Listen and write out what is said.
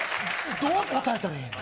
どう答えたらええねん。